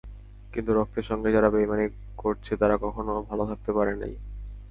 কিন্তু রক্তের সঙ্গে যারা বেইমানি করছে তাঁরা কখনো ভালো থাকতে পারে নাই।